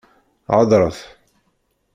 Hedṛet!